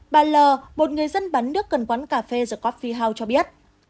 bà l một người dân bán nước cần quán cà phê the coffee house cho biết